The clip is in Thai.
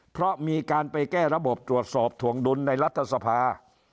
เพราะมีการไปแก้ระบบตรวจสอบถวงดุลในรัฐสภา